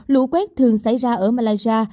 lũ quét thường xảy ra ở malaysia